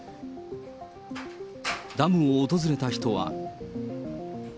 ダムを訪れた人は。